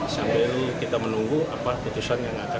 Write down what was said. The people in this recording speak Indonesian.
sambil kita menunggu apa keputusan yang akan dijalankan